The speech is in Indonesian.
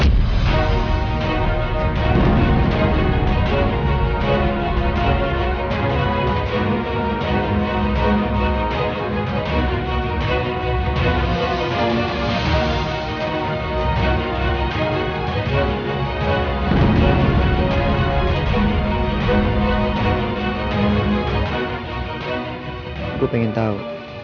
aku pengen tau